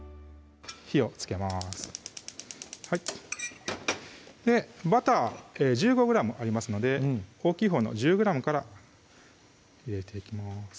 火をつけますバター１５ｇありますので大きいほうの１０ｇから入れていきます